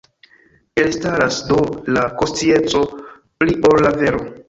Elstaras, do, la konscienco pli ol la vero.